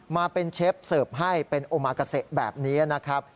มาเป็นเชฟเสิร์ฟให้เป็นโอมากาเซแบบนี้นะครับ